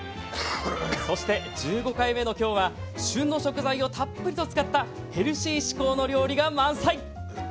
そして、１５回目の今日は旬の食材をたっぷりと使ったヘルシー志向の料理が満載！